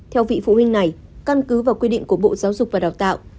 theo vị phụ huynh này căn cứ vào quy định của bộ giáo dục và đào tạo